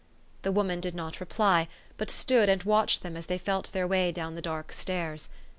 The woman did not reply, but stood and watched them as they felt their way down the dark stairs.